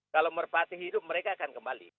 kalau merpati hidup mereka akan kembali